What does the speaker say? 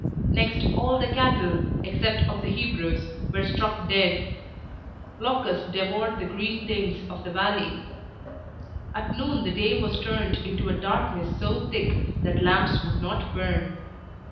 Next, all the cattle, except of the Hebrews, were struck dead. Locusts devoured the green things of the valley. At noon the day was turned into a darkness so thick that lamps would not burn.